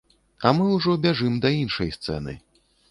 А мы ўжо бяжым да іншай сцэны.